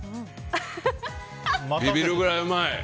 ビビるぐらいうまい！